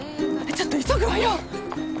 ちょっと急ぐわよ。